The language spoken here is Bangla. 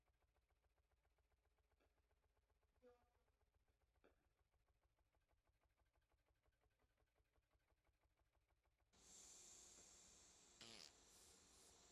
স্পাইডার-গার্ল শিরোনামটি কম বিক্রির কারণে বেশ কয়েকবার বাতিল করা হয়েছিল।